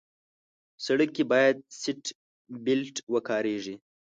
سړک کې باید سیټ بیلټ وکارېږي.